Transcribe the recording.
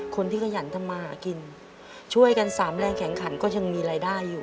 ขยันทำมาหากินช่วยกันสามแรงแข็งขันก็ยังมีรายได้อยู่